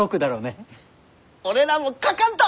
俺らも書かんと！